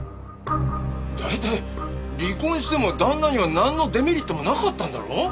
大体離婚しても旦那にはなんのデメリットもなかったんだろ？